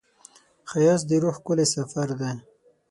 ښایست د روح ښکلی سفر دی